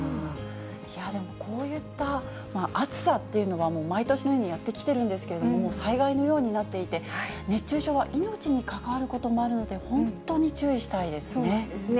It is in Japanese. でも、こういった暑さっていうのは、もう毎年のようにやってきているんですけれども、災害のようになっていて、熱中症は命に関わることもあるので、本当に注意したいそうなんですね。